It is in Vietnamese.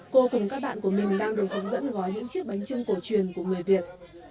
cô cùng các bạn của mình đang được hướng dẫn gói những chiếc bánh trưng cổ truyền của người việt